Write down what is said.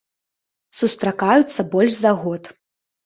Сустракаюцца больш за год.